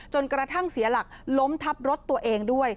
จนกระทั่งเสียหลักล้มทับรถตัวเองด้วย